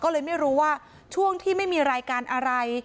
ก็เลยไม่รู้ว่าช่วงที่ไม่มีรายการอะไร